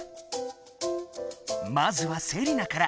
まずはセリナから。